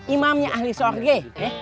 imamnya ahli sorge